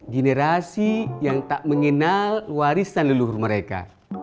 generasi yang tak mengenal warisan leluhur mereka